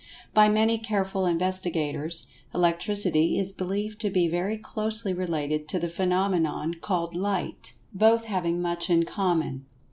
By many careful investigators, Electricity is believed to be very closely related to the phenomenon called light, both having much in common.